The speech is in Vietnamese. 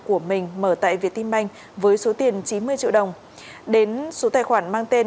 của mình mở tại việt tim banh với số tiền chín mươi triệu đồng đến số tài khoản mang tên